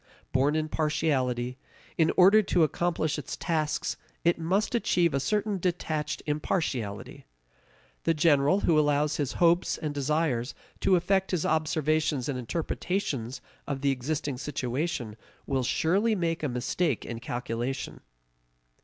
Born in partiality, in order to accomplish its tasks it must achieve a certain detached impartiality. The general who allows his hopes and desires to affect his observations and interpretations of the existing situation will surely make a mistake in calculation.